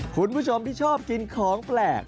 คุณผู้ชมที่ชอบกินของแปลก